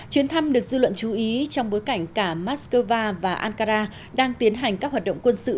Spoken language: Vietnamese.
chuyến thăm được dư luận chú ý trong bối cảnh cả moscow và ankara đang tiến hành các hoạt động quân sự